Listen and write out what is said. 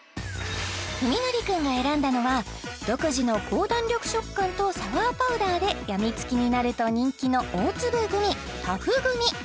史記君が選んだのは独自の高弾力食感とサワーパウダーでやみつきになると人気の大粒グミタフグミ